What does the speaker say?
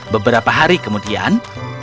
beberapa hari kemudian